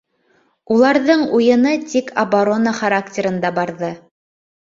Уларҙың уйыны тик оборона характерында барҙы